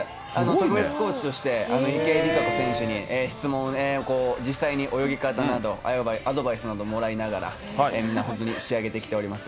特別コーチとして、池江璃花子選手に質問を、実際に泳ぎ方など、アドバイスなどもらいながら、みんな本当に仕上げてきております。